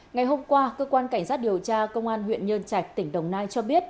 ngày hôm qua cơ quan cảnh sát điều tra công an huyện nhơn trạch tỉnh đồng nai cho biết